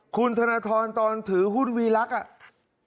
คุณธนทรตอนถือหุ้นวีลักษณ์อ่ะ